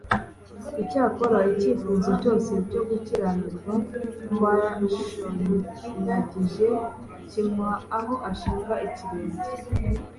Icyakora icyifuzo cyose cyo gukiranirwa twashyonyagije, kimuha aho ashinga ikirenge.